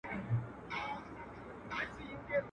چي د مغولو له بیرغ څخه کفن جوړوي.